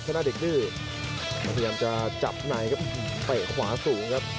หน้าเด็กดื้อมันพยายามจะจับในครับเตะขวาสูงครับ